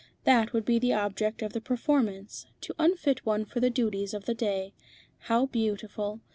"That would be the object of the performance, to unfit one for the duties of the day. How beautiful!